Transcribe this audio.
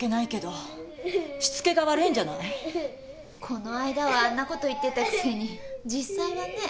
この間はあんなこと言ってたくせに実際はね。